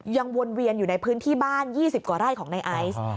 วนเวียนอยู่ในพื้นที่บ้าน๒๐กว่าไร่ของในไอซ์